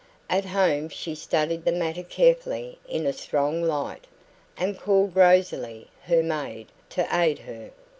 At home she studied the matter carefully in a strong light, and called Rosalie, her maid, to aid her.